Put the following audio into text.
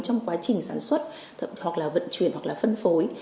trong quá trình sản xuất hoặc là vận chuyển hoặc là phân phối